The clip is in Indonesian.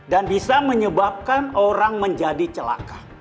dan bisa menyebabkan orang menjadi celaka